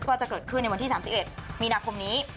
ก็จะเกิดขึ้นในวันที่๓๑มีนาคมนี้